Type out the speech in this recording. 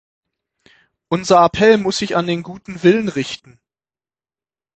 Unser Appell muss sich an den guten Willen richten.